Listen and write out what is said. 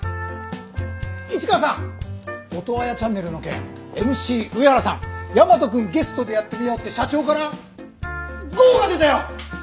市川さんオトワヤチャンネルの件ＭＣ上原さん大和くんゲストでやってみようって社長からゴーが出たよ。